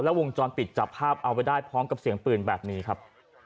วงจรปิดจับภาพเอาไว้ได้พร้อมกับเสียงปืนแบบนี้ครับ